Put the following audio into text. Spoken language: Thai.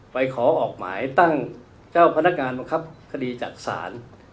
ขอออกหมายตั้งเจ้าพนักงานบังคับคดีจากศาล